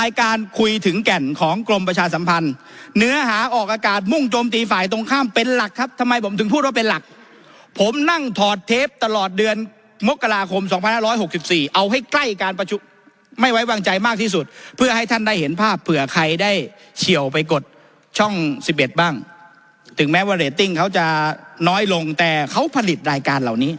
รายการคุยถึงแก่นของกรมประชาสัมพันธ์เนื้อหาออกอากาศมุ่งโจมตีฝ่ายตรงข้ามเป็นหลักครับทำไมผมถึงพูดว่าเป็นหลักผมนั่งถอดเทปตลอดเดือนมกราคม๒๕๖๔เอาให้ใกล้การประชุมไม่ไว้วางใจมากที่สุดเพื่อให้ท่านได้เห็นภาพเผื่อใครได้เฉียวไปกดช่อง๑๑บ้างถึงแม้ว่าเรตติ้งเขาจะน้อยลงแต่เขาผลิตรายการเหล่านี้